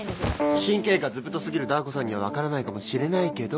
神経がずぶと過ぎるダー子さんには分からないかもしれないけど。